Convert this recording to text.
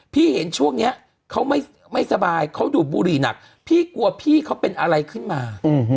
พี่เห็นช่วงนี้เขาไม่สบายเขาดูดบุหรี่หนักพี่กลัวพี่เขาเป็นอะไรขึ้นมา